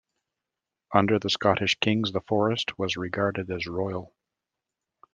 Under the Scottish kings the forest was regarded as Royal.